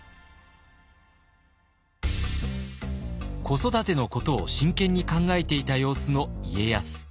子育てのことを真剣に考えていた様子の家康。